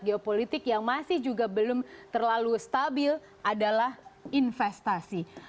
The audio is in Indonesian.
geopolitik yang masih juga belum terlalu stabil adalah investasi